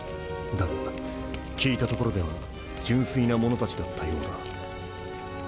だが聞いたところでは純粋な者たちだったようだ。